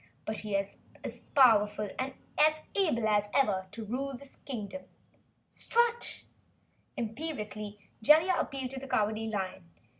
But he is as powerful and able as ever, to rule this Kingdom! Strut!" Imperiously Jellia appealed to the Cowardly Lion.